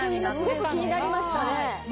すごく気になりましたね。